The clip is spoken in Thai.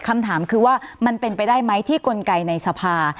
คำถามคือว่ามันเป็นไปได้ไหมที่กลไกในสภา